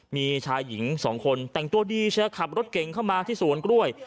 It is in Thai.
มีชายหญิงสองคนแต่งตัวดีเชียร์ขับรถเก่งเข้ามาที่สวนกล้วย